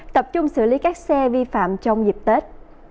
tập trung xử lý các xe vi phạm trong dịp tết